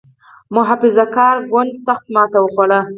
محافظه کار ګوند سخته ماته وخوړه.